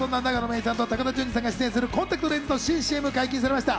郁さんと、高田純次さんが出演するコンタクトレンズの新ＣＭが解禁されました。